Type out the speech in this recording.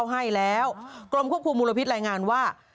เขาให้แล้วกรมควบคุมมูลพิษแรงงานว่า